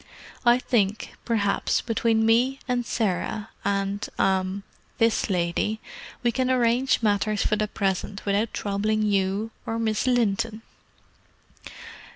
"I think, perhaps, between me and Sarah and—er—this lady, we can arrange matters for the present without troubling you or Miss Linton."